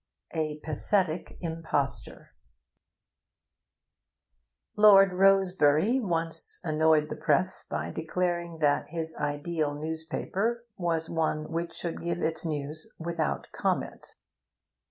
A PATHETIC IMPOSTURE Lord Rosebery once annoyed the Press by declaring that his ideal newspaper was one which should give its news without comment.